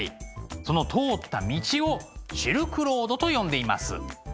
その通った道をシルクロードと呼んでいます。